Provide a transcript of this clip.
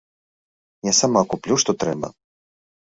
Я сама куплю, што трэба.